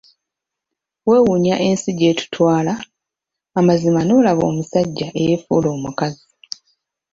Wewuunya ensi gyetutwala amazima n'olaba omusajja eyefuula omukazi.